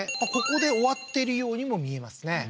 ここで終わってるようにも見えますね